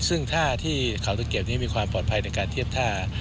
ซึ่งท่าที่เขาตะเกียบนี้มีความปลอดภัยในการเทียบท่า